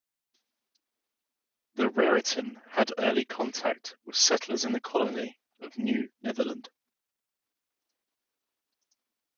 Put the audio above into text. The Raritan had early contact with settlers in the colony of New Netherland.